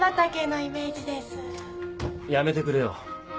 やめてくれよ。